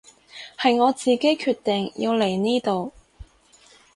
係我自己決定要嚟呢度